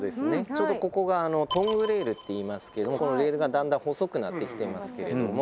ちょうどここがトングレールっていいますけどこのレールがだんだん細くなってきてますけれども。